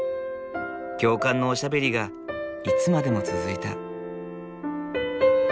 共感のおしゃべりがいつまでも続いた。